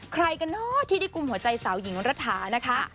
ใครกันเนอะที่ได้กลุ่มหัวใจสาวหญิงรัฐานะคะ